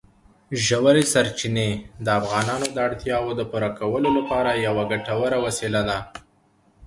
ژورې سرچینې د افغانانو د اړتیاوو د پوره کولو لپاره یوه ګټوره وسیله ده.